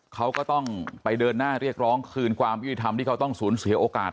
เขาก็ต้องไปเดินหน้าเรียกร้องคืนความยุติธรรมที่เขาต้องสูญเสียโอกาส